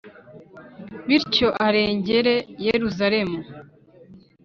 bityo arengere Yeruzalemu;